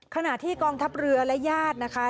ขณะที่กองทัพเรือและญาตินะคะ